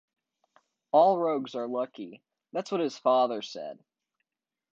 All rogues are lucky, that’s what his father said.